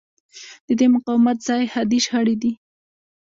د دې مقاومت ځای حادې شخړې دي.